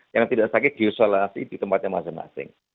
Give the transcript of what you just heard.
yang tidak sakit diisolasi di tempat yang masing masing